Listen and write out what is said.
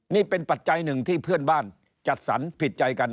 นี่เป็นปัจจัยหนึ่งที่เพื่อนบ้านจัดสรรผิดใจกัน